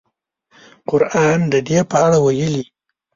قران د دې په اړه ویلي.